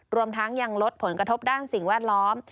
รวมทั้งยังลดผลกระทบด้านสิ่งแวดล้อม